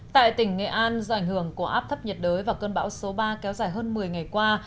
tại tỉnh nghệ an do ảnh hưởng của áp thấp nhiệt đới và cơn bão số ba kéo dài hơn một mươi ngày qua